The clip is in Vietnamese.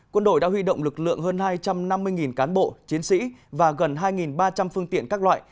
quân đội đã huy động lực lượng hơn hai trăm năm mươi cán bộ chiến sĩ và gần hai ba trăm linh phương tiện các loại